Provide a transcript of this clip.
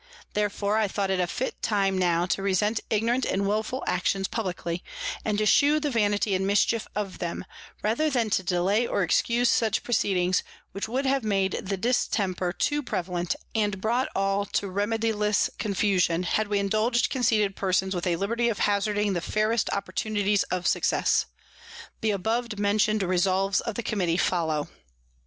Therefore I thought it a fit time now to resent ignorant and wilful Actions publickly, and to shew the Vanity and Mischief of 'em, rather than to delay or excuse such Proceedings; which would have made the Distemper too prevalent, and brought all to remediless Confusion, had we indulg'd conceited Persons with a liberty of hazarding the fairest Opportunities of Success. The above mention'd Resolves of the Committee follow.